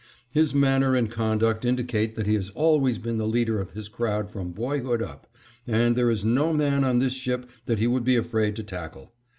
His manner and conduct indicate that he has always been the leader of his crowd from boyhood up, and there is no man on this ship that he would be afraid to tackle.